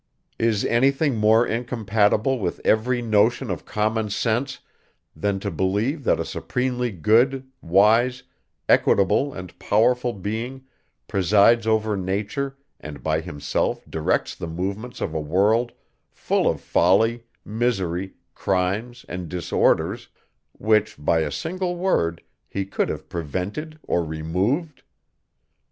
Is any thing more incompatible with every notion of common sense, than to believe, that a supremely good, wise, equitable and powerful being presides over nature, and by himself directs the movements of a world, full of folly, misery, crimes and disorders, which by a single word, he could have prevented or removed?